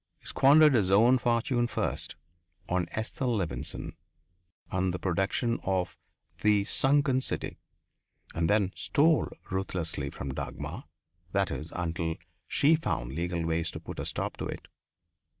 He squandered his own fortune first on Esther Levenson and the production of "The Sunken City" and then stole ruthlessly from Dagmar; that is, until she found legal ways to put a stop to it.